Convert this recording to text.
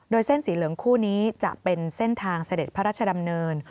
โดยเส้นสีเหลืองคู่นี้จะเป็นเส้นทางเสด็จพระราชดำเนิน